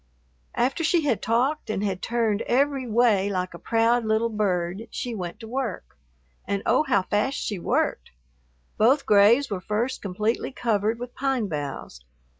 After she had talked and had turned every way like a proud little bird, she went to work. And, oh, how fast she worked! Both graves were first completely covered with pine boughs.